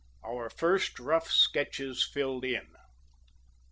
OUR FIRST ROUGH SKETCHES FILLED IN.